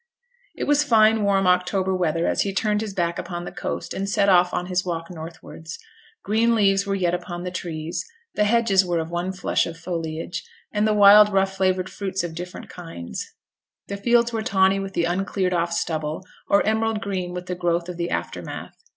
It was fine, warm October weather as he turned his back upon the coast, and set off on his walk northwards. Green leaves were yet upon the trees; the hedges were one flush of foliage and the wild rough flavoured fruits of different kinds; the fields were tawny with the uncleared off stubble, or emerald green with the growth of the aftermath.